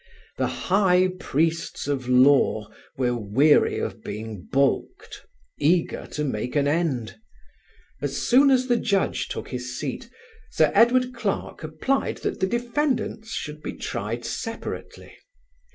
The High Priests of Law were weary of being balked; eager to make an end. As soon as the Judge took his seat, Sir Edward Clarke applied that the defendants should be tried separately.